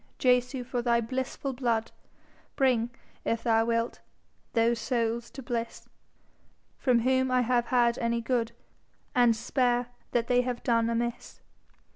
Jesu, for thy blissful blood, Bring, if thou wilt, those souls to bliss From whom I have had any good, And spare that they have done amiss.